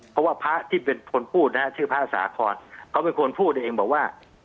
เพราะว่าพระที่เป็นคนพูดนะชื่อพระสาครเขาเป็นคนพูดเองบอกว่า